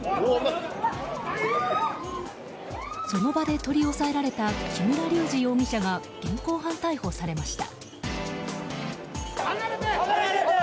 その場で取り押さえられた木村隆二容疑者が現行犯逮捕されました。